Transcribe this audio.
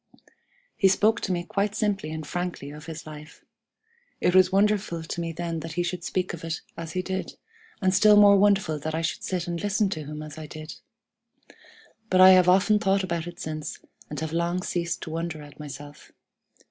"He spoke to me quite simply and frankly of his life. It was wonderful to me then that he should speak of it as he did, and still more wonderful that I should sit and listen to him as I did. But I have often thought about it since, and have long ceased to wonder at myself.